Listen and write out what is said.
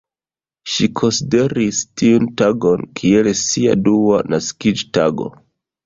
Ŝi konsideris tiun tagon kiel sia dua naskiĝtago.